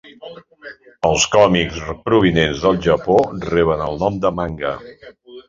Els còmics provinents del Japó reben el nom de manga.